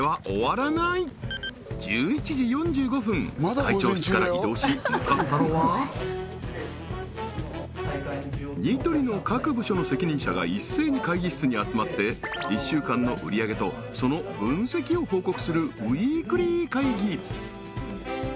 会長室から移動し向かったのはニトリの各部署の責任者が一斉に会議室に集まって１週間の売上げとその分析を報告するウィークリー会議